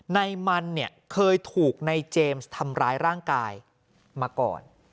ในมันเนี่ยเคยถูกในเจมส์ทำร้ายร่างกายมาก่อน